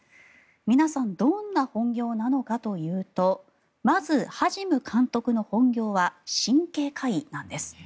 皆さんどんな本業なのかというとまず、ハジム監督の本業は神経科医なんです。